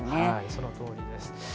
そのとおりです。